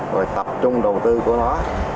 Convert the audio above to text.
rồi tập trung đầu tư của nó